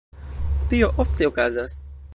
Tio ofte okazas.